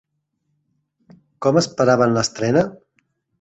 Com esperaven l'estrena?